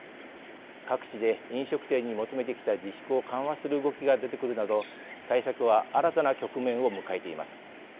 各地で飲食店に求めてきた自粛を緩和する動きが出てくるなど対策は新たな局面を迎えています。